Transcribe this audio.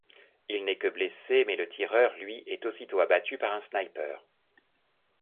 Il n’est que blessé mais le tireur, lui, est aussitôt abattu par un sniper.